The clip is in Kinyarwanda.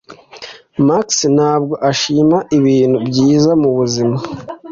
Max ntabwo ashima ibintu byiza mubuzima